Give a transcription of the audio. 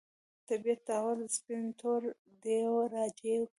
طبیعت تحولات سپین تور دېو راجع کوي.